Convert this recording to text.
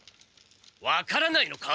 分からないのか！？